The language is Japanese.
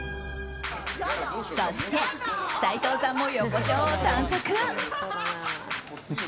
そして斉藤さんも横丁を探索。